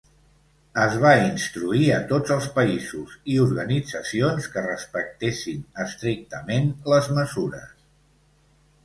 Es va instruir a tots els països i organitzacions que respectessin estrictament les mesures.